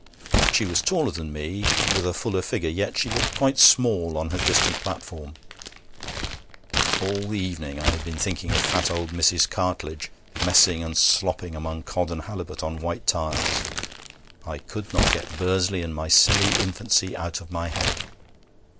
She was taller than me, with a fuller figure, yet she looked quite small on her distant platform. All the evening I had been thinking of fat old Mrs. Cartledge messing and slopping among cod and halibut on white tiles. I could not get Bursley and my silly infancy out of my head.